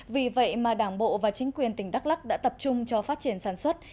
vì vậy mà đảng bộ và chính quyền tỉnh đắk lắc đã tập trung cho phát triển sản xuất